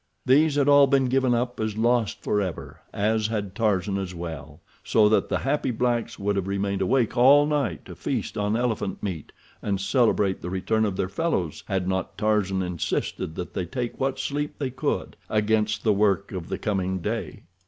These had all been given up as lost forever, as had Tarzan as well, so that the happy blacks would have remained awake all night to feast on elephant meat and celebrate the return of their fellows, had not Tarzan insisted that they take what sleep they could, against the work of the coming day.